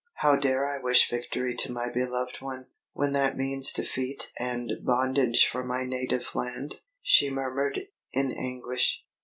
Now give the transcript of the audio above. "How dare I wish victory to my beloved one, when that means defeat and bondage for my native land?" she murmured, in anguish.